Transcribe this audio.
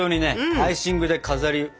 アイシングで飾り。